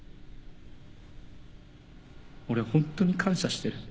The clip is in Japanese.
俺ホントに感謝してる。